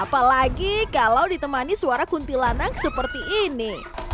apalagi kalau ditemani suara kuntilanak seperti ini